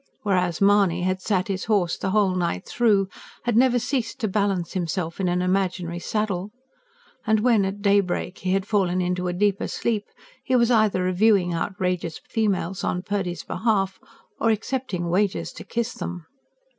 Whereas Mahony had sat his horse the whole night through, had never ceased to balance himself in an imaginary saddle. And when at daybreak he had fallen into a deeper sleep, he was either reviewing outrageous females on Purdy's behalf, or accepting wagers to kiss them.